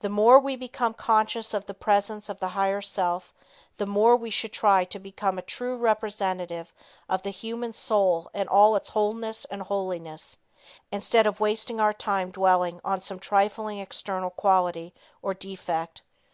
The more we become conscious of the presence of the higher self the more we should try to become a true representative of the human soul in all its wholeness and holiness, instead of wasting our time dwelling on some trifling external quality or defect.